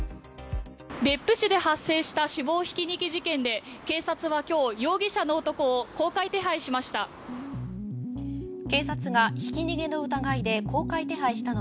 別府市で発生した死亡ひき逃げ事件で警察は今日、容疑者の男を公開手配しました。